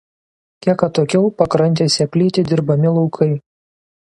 Kiek atokiau pakrantėse plyti dirbami laukai.